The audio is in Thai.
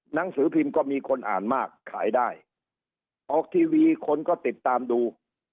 หนังสือพิมพ์ก็มีคนอ่านมากขายได้ออกทีวีคนก็ติดตามดู